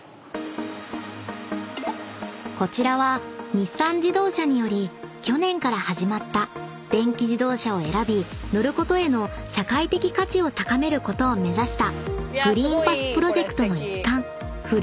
［こちらは日産自動車により去年から始まった電気自動車を選び乗ることへの社会的価値を高めることを目指した］